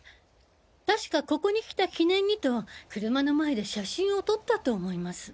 確かここに来た記念にと車の前で写真を撮ったと思います。